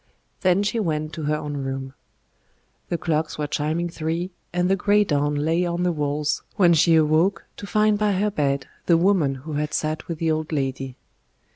Then she went to her own room. The clocks were chiming three, and the grey dawn lay on the walls, when she awoke to find by her bed the woman who had sat with the old lady.